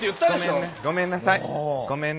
もう！ごめんなさい。